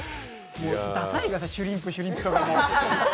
ダサイから、シュリンプ、シュリンプとか。